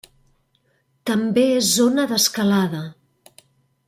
També és zona d'escalada.